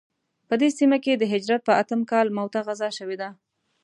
په دې سیمه کې د هجرت په اتم کال موته غزا شوې ده.